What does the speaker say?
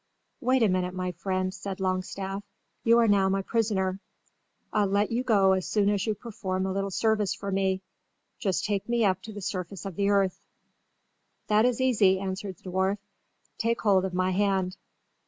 "Wait a minute, my friend," said Longstaff. "You are now my prisoner. I'll let you go as soon as you perform a little service for me. Just take me up to the surface of the earth." "That is easy," answered the dwarf. "Take hold of my hand."